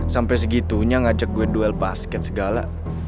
sampai segitunya ngajak gue duel basket segala